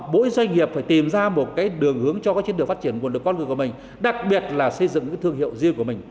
bỗi doanh nghiệp phải tìm ra một cái đường hướng cho cái chiến đường phát triển nguồn được con người của mình đặc biệt là xây dựng cái thương hiệu riêng của mình